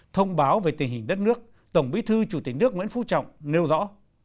thông báo về tình hình đất nước tổng bí thư chủ tịch nước nguyễn phú trọng nêu rõ